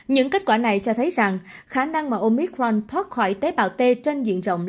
những kết quả này cho thấy rằng khả năng mà omicront thoát khỏi tế bào t trên diện rộng